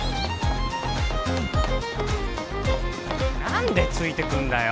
何でついてくんだよ